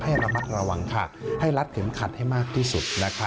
ให้ระมัดระวังให้ลัดเข็มขัดให้มากที่สุด